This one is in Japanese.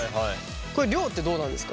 これ量ってどうなんですか？